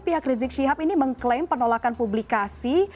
pihak rizik syihab ini mengklaim penolakan publikasi